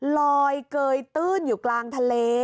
ลอยเกยตื้นอยู่กลางทะเล